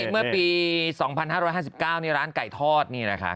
เมื่อปี๒๕๕๙ร้านไก่ทอดนี่นะคะ